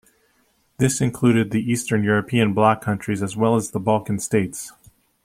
This included the Eastern European bloc countries as well as the Balkan States.